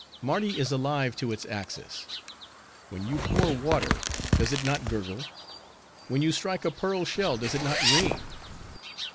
Mardi is alive to its axis. When you pour water, does it not gurgle? When you strike a pearl shell, does it not ring?